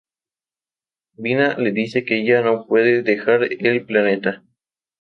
Vina le dice que ella no puede dejar el planeta.